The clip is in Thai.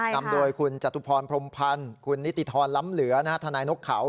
นำโดยคุณจตุพรพรมพันธ์คุณนิติธรล้ำเหลือทนายนกเขา